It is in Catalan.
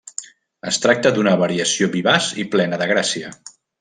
Es tracta d'una variació vivaç i plena de gràcia.